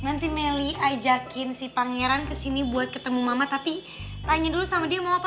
nanti melly ajakin si pangeran kesini buat ketemu mama tapi tanya dulu sama dia mau apa